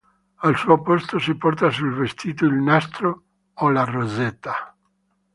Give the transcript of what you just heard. Al suo posto si porta sul vestito il nastro o la rosetta.